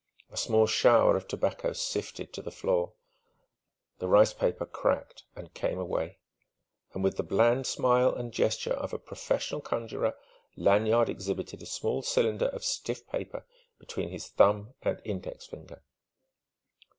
A small shower of tobacco sifted to the floor: the rice paper cracked and came away; and with the bland smile and gesture of a professional conjurer, Lanyard exhibited a small cylinder of stiff paper between his thumb and index finger.